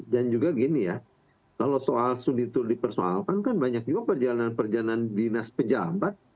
dan juga gini ya kalau soal studi tur dipersoalkan kan banyak juga perjalanan perjalanan dinas pejabat